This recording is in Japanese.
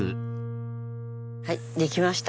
はい出来ました。